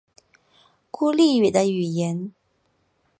孤立语的语言。